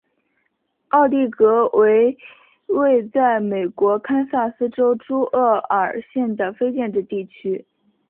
奥蒂戈为位在美国堪萨斯州朱厄尔县的非建制地区。